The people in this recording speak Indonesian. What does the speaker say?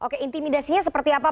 oke intimidasinya seperti apa